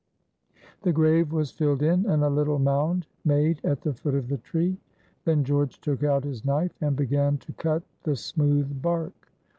The grave was filled in, and a little mound made at the foot of the tree. Then George took out his knife and began to cut the smooth bark.